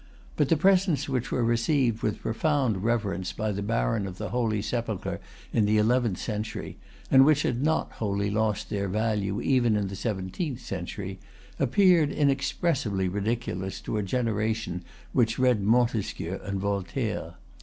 But the presents which were received with profound reverence by the Baron of the Holy Sepulchre in the eleventh century, and which had not wholly lost their value even in the seventeenth century, appeared inexpressibly ridiculous to a generation which read Montesquieu and Voltaire.